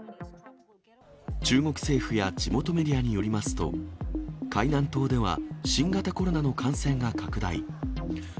中国政府や地元メディアによりますと、海南島では新型コロナの感染が拡大。